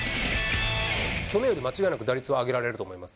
去年よりも間違いなく打率は上げられると思います。